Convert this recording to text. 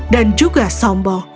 dan juga sombong